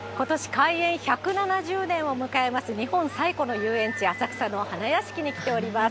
開園１７０年を迎えます、日本最古の遊園地、浅草の花やしきに来ております。